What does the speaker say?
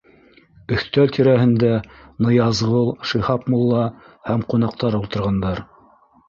Өҫтәл тирәһендә Ныязғол, Шиһап мулла һәм ҡунаҡтар ултырғандар.